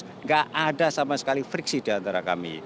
tidak ada sama sekali friksi diantara kami